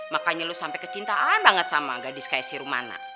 makanya lu sampe kecintaan banget sama gadis kayak si romana